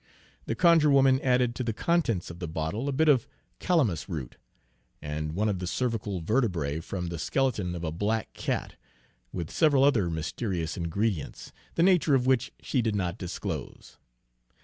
The conjure woman added to the contents of the bottle a bit of calamus root, and one of the cervical vertebrae from the skeleton of a black cat, with several other mysterious ingredients, the nature of which she did not disclose.